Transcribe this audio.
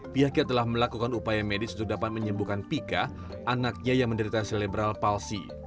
pihaknya telah melakukan upaya medis untuk dapat menyembuhkan pika anaknya yang menderita selebral palsi